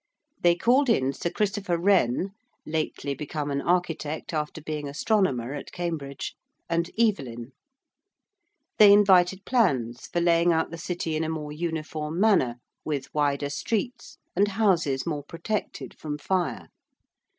They called in Sir Christopher Wren, lately become an architect after being astronomer at Cambridge, and Evelyn: they invited plans for laying out the City in a more uniform manner with wider streets and houses more protected from fire.